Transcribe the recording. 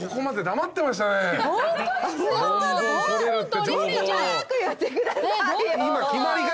もっと早く言ってくださいよ。